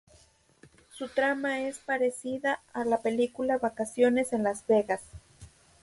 Su trama es parecida a la película Vacaciones en Las Vegas.